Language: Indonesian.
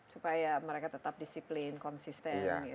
supaya mereka tetap disiplin konsisten